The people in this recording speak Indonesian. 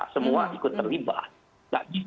semua ikut terlibat